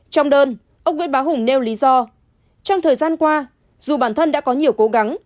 trong đơn ông nguyễn bá hùng nêu lý do trong thời gian qua dù bản thân đã có nhiều cố gắng